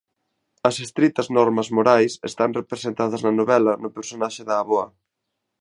As estritas normas morais están representadas na novela no personaxe da Avoa.